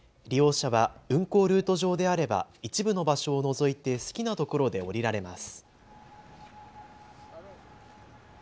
利用者は運行ルート上であれば一部の場所を除いて好きな所で降りられます。